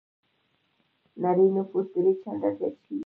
نړۍ نفوس درې چنده زيات شوی.